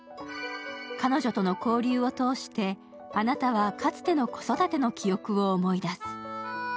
彼女との交流を通して、「あなた」はかつての子育ての記憶を思い出す。